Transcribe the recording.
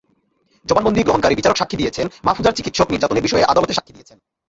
জবানবন্দি গ্রহণকারী বিচারক সাক্ষ্য দিয়েছেন, মাহফুজার চিকিৎসক নির্যাতনের বিষয়ে আদালতে সাক্ষ্য দিয়েছেন।